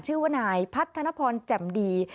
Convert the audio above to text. ชื่อวนายพัฒนพรจำดี